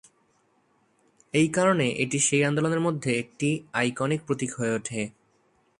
এই কারণে, এটি সেই আন্দোলনের মধ্যে একটি আইকনিক প্রতীক হয়ে ওঠে।